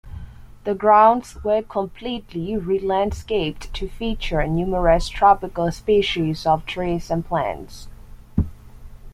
The grounds were completely re-landscaped to feature numerous tropical species of trees and plants.